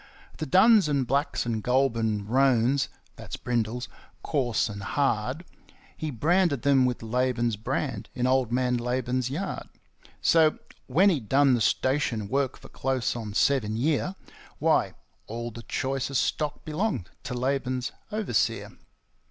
The duns and blacks and ŌĆ£Goulburn roansŌĆØ (that's brindles), coarse and hard, He branded them with Laban's brand, in Old Man Laban's yard; So, when he'd done the station work for close on seven year, Why, all the choicest stock belonged to Laban's overseer.